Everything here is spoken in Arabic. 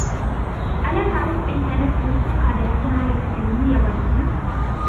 ألا تعرف إن كانت لوسي قادرة على تكلم اليابانية ؟